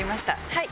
はい！